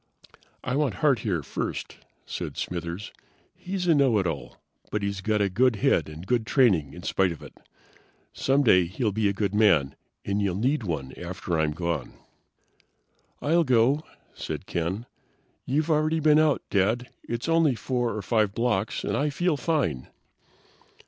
"I want Hart here first," said Smithers. "He's a know it all, but he's got a good head and good training in spite of it. Someday he'll be a good man, and you'll need one after I'm gone." "I'll go," said Ken. "You've already been out, Dad. It's only 4 or 5 blocks, and I feel fine."